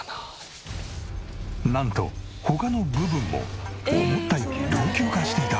なんと他の部分も思ったより老朽化していた。